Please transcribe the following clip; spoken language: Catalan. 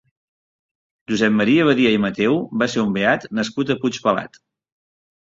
Josep Maria Badia i Mateu va ser un beat nascut a Puigpelat.